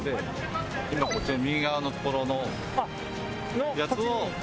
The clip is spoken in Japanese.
今こっちの右側のところのやつを。